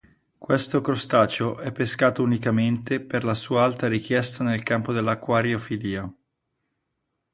Questo crostaceo è pescato unicamente per la sua alta richiesta nel campo dell'acquariofilia.